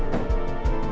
mbak elsa apa yang terjadi